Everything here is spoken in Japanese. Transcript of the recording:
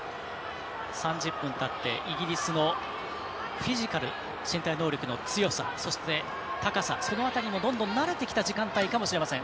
３０分たってイギリスのフィジカル身体能力の強さ、そして、高さその辺りもどんどん慣れてきた時間帯かもしれません。